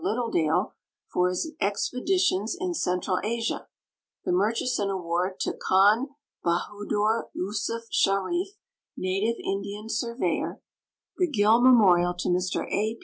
Littleilale for his expe ditions in Central Asia; the Mun; hison award to Khan Bahadur Yusuf Sharif, native Indian surveyor; the (till memorial to Mr A.